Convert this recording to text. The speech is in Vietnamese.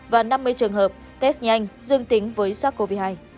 và năm mươi trường hợp test nhanh dương tính với sars cov hai